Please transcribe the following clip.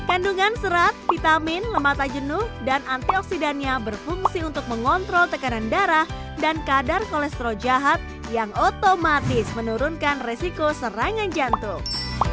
kandungan serat vitamin lemata jenuh dan antioksidannya berfungsi untuk mengontrol tekanan darah dan kadar kolesterol jahat yang otomatis menurunkan resiko serangan jantung